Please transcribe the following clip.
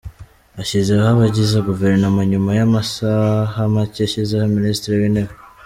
Ashyizeho abagize Guverinoma nyuma y’amasaha make ashyizeho Minisitiri w’Intebe